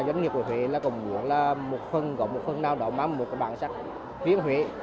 doanh nghiệp của huyện còn muốn gọi một phần nào đó mang một bản sắc huyện huyện